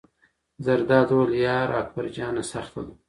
زرداد وویل: یار اکبر جانه سخته ده.